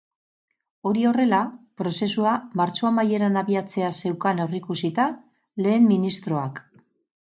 Hori horrela, prozesua martxo amaieran abiatzea zeukan aurreikusita lehen ministroak.